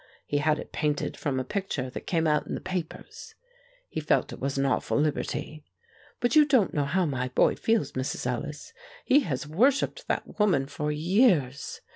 He had it painted from a picture that came out in the papers. He felt it was an awful liberty. But you don't know how my boy feels, Mrs. Ellis; he has worshipped that woman for years.